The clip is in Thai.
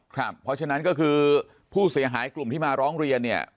เพราะฉะนั้นก็คือผู้เสียหายกลุ่มที่มาร้องเรียนเนี่ย